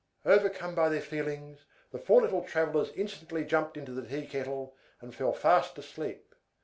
Overcome by their feelings, the four little travellers instantly jumped into the tea kettle, and fell fast asleep.